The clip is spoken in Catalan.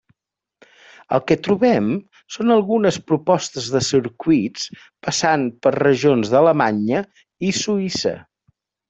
El que trobem són algunes propostes de circuits passant per regions d'Alemanya i Suïssa.